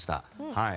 はい。